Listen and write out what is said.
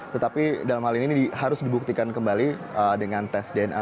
tetapi dalam hal ini harus dibuktikan kembali dengan tes dna